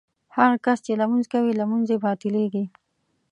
هغه کس چې لمونځ کوي لمونځ یې باطلېږي.